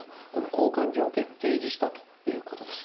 交換条件を提示したということです。